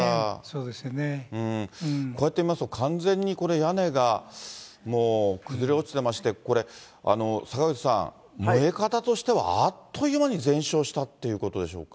こうやって見ますと、完全にこれ屋根が、もう崩れ落ちてまして、これ、坂口さん、燃え方としては、あっという間に全焼したっていうことでしょうか？